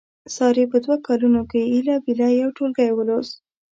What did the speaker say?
سارې په دوه کالونو کې هیله بیله یو ټولګی ولوست.